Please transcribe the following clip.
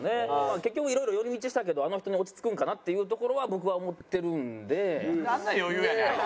結局いろいろ寄り道したけどあの人に落ち着くんかなっていうところは僕は思ってるんで。